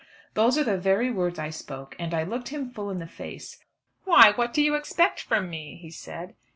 Those are the very words I spoke, and I looked him full in the face. "Why, what do you expect from me?" he said.